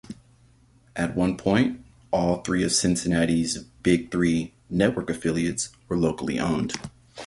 At one point, all three of Cincinnati's "Big Three" network affiliates were locally owned.